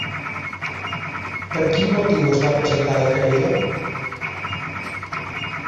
Per quin motiu es va presentar la querella?